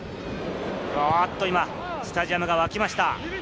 今、スタジアムが沸きました。